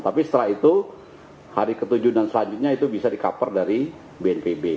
tapi setelah itu hari ketujuh dan selanjutnya itu bisa di cover dari bnpb